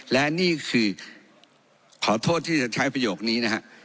และนี่คือขอโทษที่จะใช้ประโยคนี้นะฮะ